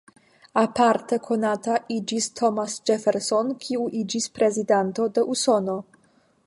Aparte konata iĝis Thomas Jefferson, kiu iĝis prezidanto de Usono.